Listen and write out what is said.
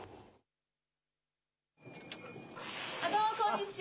どうも、こんにちは。